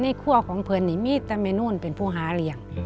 ในขั้วของเพลินมีแต่แม่นูนเป็นผู้หาเรียง